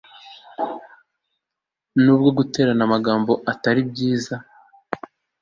nubwo guterana amagambo atari byiza